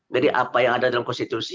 jadi apa yang ada dalam konstitusi